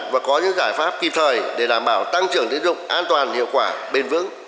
và có những giải pháp kịp thời để đảm bảo tăng trưởng tiến dụng an toàn hiệu quả bền vững